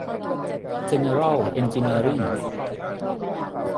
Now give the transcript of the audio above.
เจนเนอรัล เอนจิเนียริ่ง